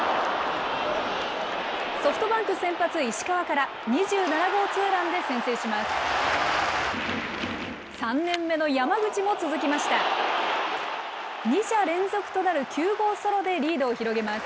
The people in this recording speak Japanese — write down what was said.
ソフトバンク先発、石川から、２７号ツーランで先制します。